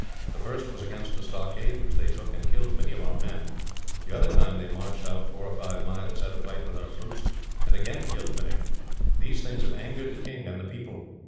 The first was against a stockade, which they took, and killed many of our men; the other time they marched out four or five miles, had a fight with our troops, and again killed many. These things have angered the king and the people.